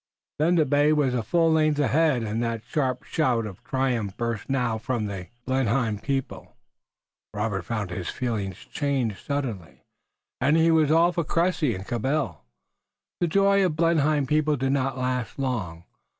Then the bay was a full length ahead and that sharp shout of triumph burst now from the Blenheim people. Robert found his feelings changing suddenly, and he was all for Cressy and Cabell. The joy of the Blenheim people did not last long.